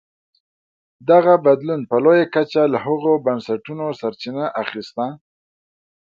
دغه بدلون په لویه کچه له هغو بنسټونو سرچینه اخیسته.